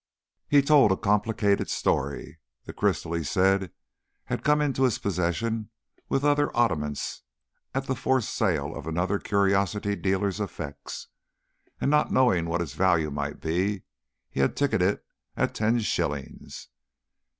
He told a complicated story. The crystal he said had come into his possession with other oddments at the forced sale of another curiosity dealer's effects, and not knowing what its value might be, he had ticketed it at ten shillings.